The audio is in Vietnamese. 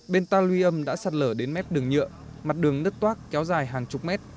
bên tàu lùi âm đã sạt lở đến mép đường nhựa mặt đường nứt toác kéo dài hàng chục mét